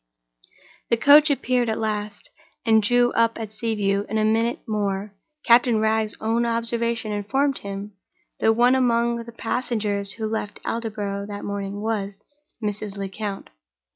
The coach appeared at last, and drew up at Sea View. In a minute more, Captain Wragge's own observation informed him that one among the passengers who left Aldborough that morning was—Mrs. Lecount.